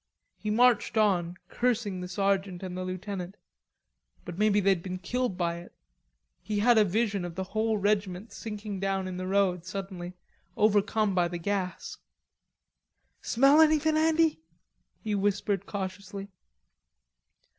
He marched on, cursing the sergeant and the lieutenant. But maybe they'd been killed by it. He had a vision of the whole regiment sinking down in the road suddenly, overcome by the gas. "Smell anythin', Andy?" he whispered cautiously.